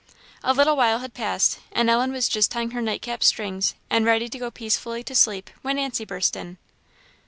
A little while had passed, and Ellen was just tying her nightcap strings, and ready to go peacefully to sleep, when Nancy burst in.